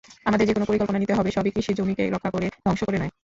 আমাদের যেকোনো পরিকল্পনা নিতে হবে সবই কৃষিজমিকে রক্ষা করে—ধ্বংস করে নয়।